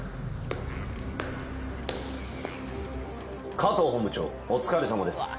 加藤本部長お疲れさまです。